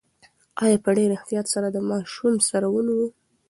انا په ډېر احتیاط سره د ماشوم سر ونیو.